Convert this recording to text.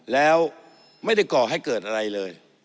แล้วไม่ได้ก่อให้เกิดอะไรเลย